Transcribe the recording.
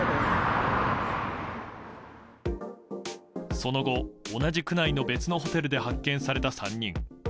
その後、同じ区内の別のホテルで発見された３人。